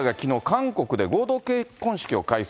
韓国で合同結婚式を開催。